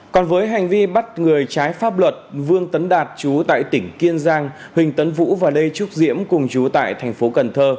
còn với hành vi bắt người trái pháp luật vương tấn đạt chú tại tỉnh kiên giang huỳnh tấn vũ và lê trúc diễm cùng chú tại thành phố cần thơ